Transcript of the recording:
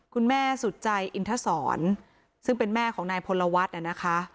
คุณแม่สุดใจอินทศรซึ่งเป็นแม่ของนายพลวัฒน์นะคะ